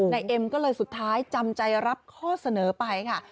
เอ็มก็เลยสุดท้ายจำใจรับข้อเสนอไปค่ะ